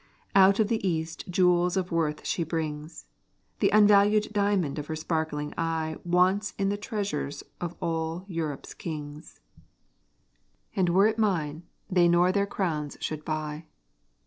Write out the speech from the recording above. Out of the East jewels of worth she brings; The unvalued diamond of her sparkling eye Wants in the treasures of all Europe's kings; And were it mine, they nor their crowns should buy.